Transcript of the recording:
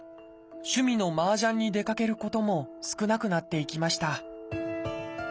趣味のマージャンに出かけることも少なくなっていきました。